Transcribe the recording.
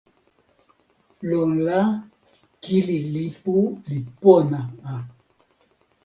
lon la, kili lipu li pona a.